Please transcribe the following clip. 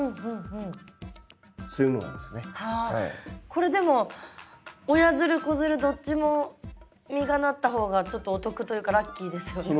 これでも親づる子づるどっちも実がなった方がちょっとお得というかラッキーですよね。